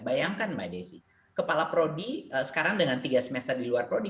bayangkan mbak desi kepala prodi sekarang dengan tiga semester di luar prodi